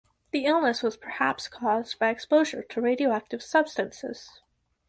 The illness was perhaps caused by exposure to radioactive substances.